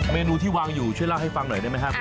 เมนูที่วางอยู่ช่วยเล่าให้ฟังหน่อยได้ไหมครับ